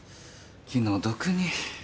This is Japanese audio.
気の毒に。